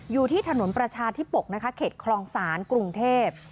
อยู่ที่ถนนประชาธิปกนะคะเขตคลองศาลกรุงเทพ